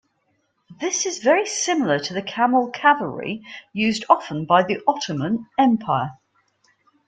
This is very similar to the camel cavalry used often by the Ottoman Empire.